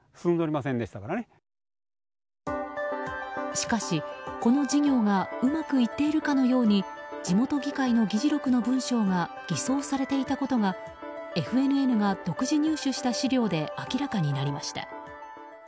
しかし、この事業がうまくいっているかのように地元議会の議事録の文章が偽装されていたことがＦＮＮが独自入手した資料で明らかになりました。